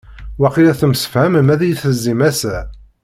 Waqila temsefhamem ad iyi-tezzim ass-a.